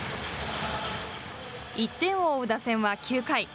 １点を追う打線は９回。